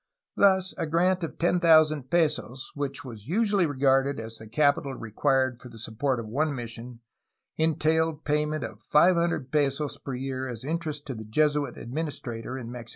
Thus, a grant of 10,000 pesos, which was usually regarded as the capital required for the support of one mission, entailed payment of 500 pesos a year as interest to the Jesuit administrator in Mexico City.